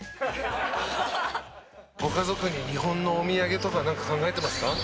ご家族に日本のお土産とか考えてますか？